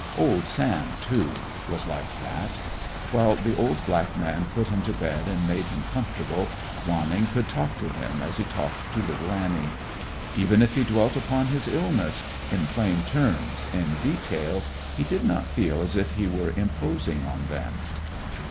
Old Sam, too, was like that. While the old black man put him to bed and made him comfortable, Wanning could talk to him as he talked to little Annie. Even if he dwelt upon his illness, in plain terms, in detail, he did not feel as if he were imposing on them.